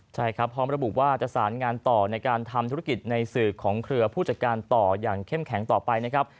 ใช่ครับพร้อมระบุว่าจะสารงานต่อในการทำธุรกิจในสื่อของเครือผู้จัดการต่ออย่างเข้มแข็งต่อไปนะครับ